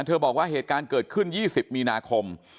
บอกว่าเหตุการณ์เกิดขึ้น๒๐มีนาคม